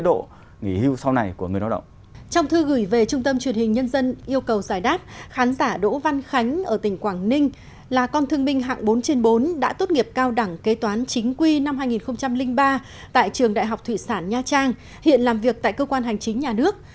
trong thư gửi về trung tâm truyền hình nhân dân yêu cầu giải đáp khán giả đỗ văn khánh ở tỉnh quảng ninh là con thương minh hạng bốn trên bốn đã tốt nghiệp cao đẳng kế toán chính quy năm hai nghìn ba tại trường đại học thủy sản nha trang hiện làm việc tại cơ quan hành chính nhà nước